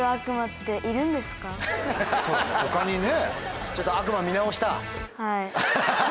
他にね。